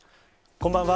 こんばんは。